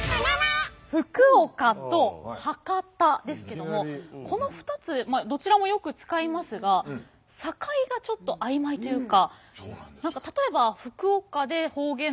福岡と博多ですけどもこの２つどちらもよく使いますが境がちょっと曖昧というか。